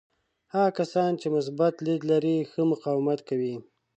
هغه کسان چې مثبت لید لري ښه مقاومت کوي.